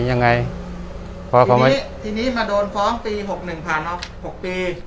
ทีนี้มาโดนฟ้องปี๖๑ผ่านออก๖ปี